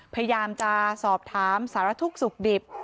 พยายามจะสอบถามสารทุกข์สุขดิบ